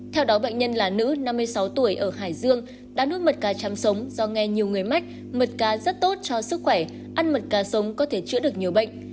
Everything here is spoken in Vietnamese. theo đó bệnh nhân là nữ năm mươi sáu tuổi ở hải dương đã nuốt mật cá chăm sống do nghe nhiều người mắc mật cá rất tốt cho sức khỏe ăn mật cá sống có thể chữa được nhiều bệnh